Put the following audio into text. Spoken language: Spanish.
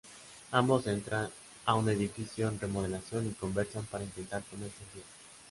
Ambos entran a un edificio en remodelación y conversan para intentar ponerse al día.